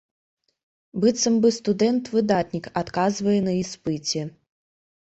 Быццам бы студэнт-выдатнік адказвае на іспыце.